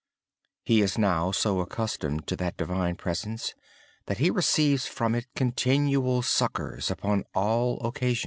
He is now so accustomed to that Divine presence that he receives from it continual comfort and peace.